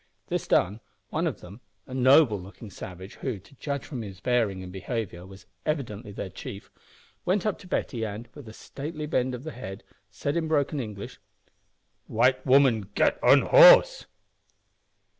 This done, one of them a noble looking savage, who, to judge from his bearing and behaviour, was evidently their chief went up to Betty, and, with a stately bend of the head, said, in broken English, "White woman git on horse!"